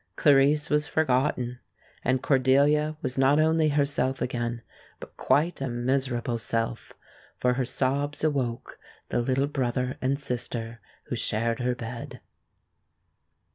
Clarice was forgotten, and Cordelia was not only herself again, but quite a miserable self, for her sobs awoke the little brother and sister who shared her bed.